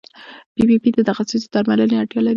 پي پي پي د تخصصي درملنې اړتیا لري.